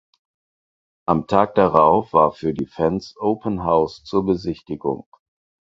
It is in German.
Am Tag darauf war für die Fans "Open House" zur Besichtigung.